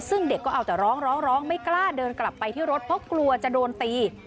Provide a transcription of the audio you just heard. ซึ่งเด็กก็เอาแต่ร้องร้องไม่กล้าเดินกลับไปที่รถเพราะกลัวจะโดนตี